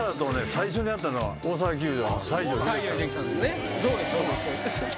最初にやったのは大阪球場の西城秀樹さん。